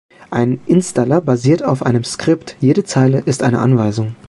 Ein Installer basiert auf einem Skript, jede Zeile ist eine Anweisung.